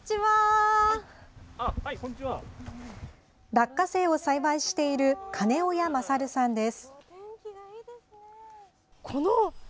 落花生を栽培している金親大さんです。